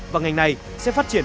và ngành này sẽ phát triển